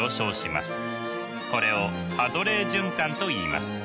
これをハドレー循環といいます。